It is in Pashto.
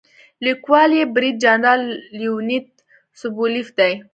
لیکوال یې برید جنرال لیونید سوبولیف دی.